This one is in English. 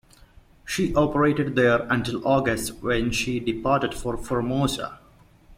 She operated there until August, when she departed for Formosa.